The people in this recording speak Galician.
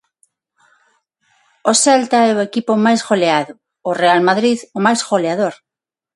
O Celta é o equipo máis goleado, o Real Madrid o máis goleador.